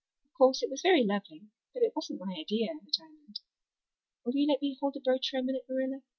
Of course, it was very lovely but it wasn't my idea of a diamond. Will you let me hold the brooch for one minute, Marilla?